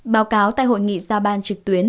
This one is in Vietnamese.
báo cáo tại hội nghị gia ban trực tuyến